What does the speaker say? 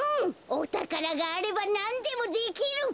おたからがあればなんでもできる！